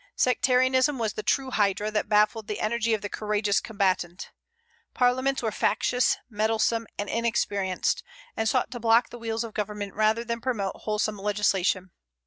Sectarianism was the true hydra that baffled the energy of the courageous combatant. Parliaments were factious, meddlesome, and inexperienced, and sought to block the wheels of government rather than promote wholesome legislation.